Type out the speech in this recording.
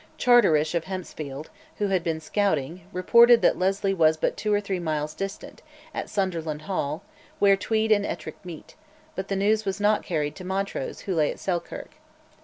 Charteris of Hempsfield, who had been scouting, reported that Leslie was but two or three miles distant, at Sunderland Hall, where Tweed and Ettrick meet; but the news was not carried to Montrose, who lay at Selkirk.